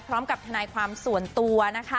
พร้อมกับทนายความส่วนตัวนะคะ